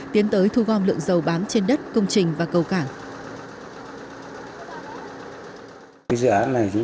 tiến tới thu gom lượng dầu bám trên đất công trình và cầu cảng